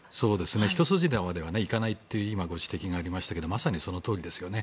一筋縄ではいかないという今ご指摘がありましたがまさにそのとおりですよね。